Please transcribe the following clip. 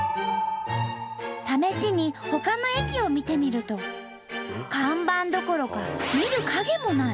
試しにほかの駅を見てみると看板どころか見る影もない。